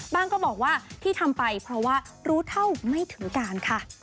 บางคนก็บอกว่าที่ทำไปรู้เท่าไม่ถือการ